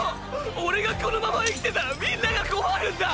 オレがこのまま生きてたらみんなが困るんだ！！